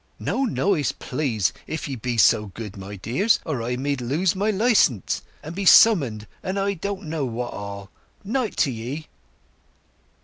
"No noise, please, if ye'll be so good, my dears; or I mid lose my licends, and be summons'd, and I don't know what all! 'Night t'ye!"